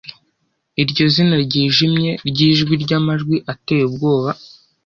Iryo zina ryijimye ryijwi ryamajwi ateye ubwoba?